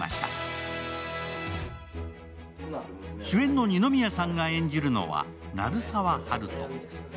主演の二宮さんが演じるのは鳴沢温人。